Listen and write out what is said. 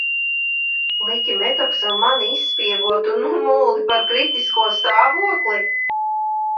"Liki Metoksam mani izspiegot un nu muldi par "kritisko stāvokli"?"